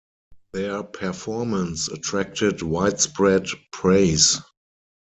Their performance attracted widespread praise.